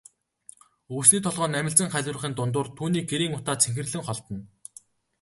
Өвсний толгой намилзан халиурахын дундуур түүний гэрийн утаа цэнхэрлэн холдоно.